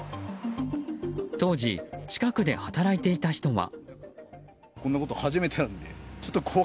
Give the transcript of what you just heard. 当時、近くで働いていた人は。